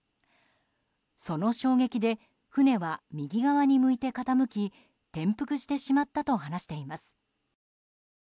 その衝撃で船は右側に向いて傾き転覆してしまったと話しています。